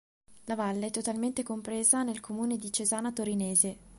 La valle è totalmente compresa nel comune di Cesana Torinese.